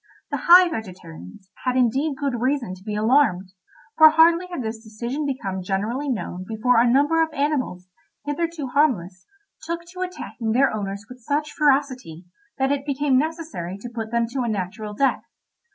The High Vegetarians had indeed good reason to be alarmed, for hardly had this decision become generally known before a number of animals, hitherto harmless, took to attacking their owners with such ferocity, that it became necessary to put them to a natural death.